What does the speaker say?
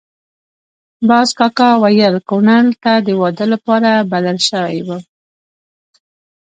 باز کاکا ویل کونړ ته د واده لپاره بلل شوی وم.